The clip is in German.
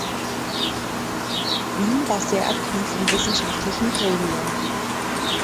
Wien war sehr aktiv in wissenschaftlichen Gremien.